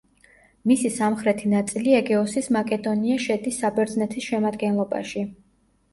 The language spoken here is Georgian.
მისი სამხრეთი ნაწილი ეგეოსის მაკედონია შედის საბერძნეთის შემადგენლობაში.